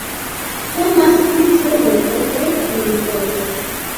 Temas pri tre malgrandaj primatoj.